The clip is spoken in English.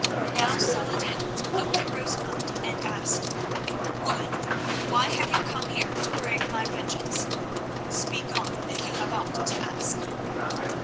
Now Saladin looked at Rosamund and asked, "Woman, why have you come here to brave my vengeance? Speak on if you have aught to ask."